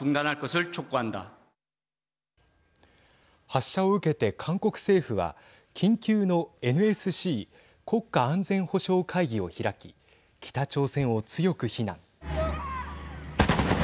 発射を受けて韓国政府は緊急のＮＳＣ＝国家安全保障会議を開き北朝鮮を強く非難。